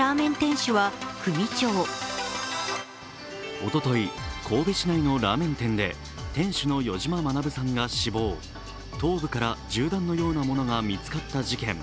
おととい、神戸市内のラーメン店で店主の余嶋学さんが死亡、頭部から銃弾のようなものが見つかった事件。